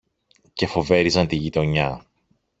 και φοβέριζαν τη γειτονιά.